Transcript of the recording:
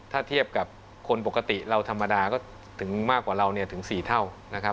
ถ้าเทียบกับคนปกติเราธรรมดาก็ถึงมากกว่าเราเนี่ยถึง๔เท่านะครับ